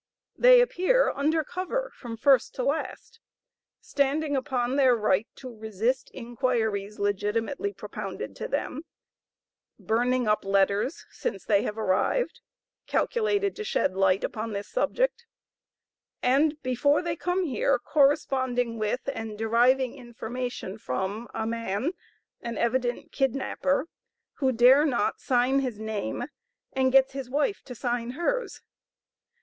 They appear under cover from first to last; standing upon their right to resist inquiries legitimately propounded to them; burning up letters since they have arrived, calculated to shed light upon this subject; and before they come here, corresponding with and deriving information from a man, an evident kidnapper, who dare not sign his name and gets his wife to sign hers.